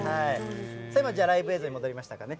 ではライブ映像に戻りましたかね。